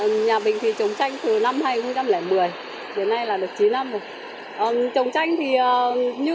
nhà mình trồng chanh từ năm hai nghìn một mươi đến nay là được chín năm rồi